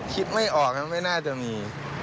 คิดไม่ออกไม่น่าจะมี